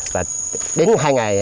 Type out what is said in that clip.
và đến hai ngày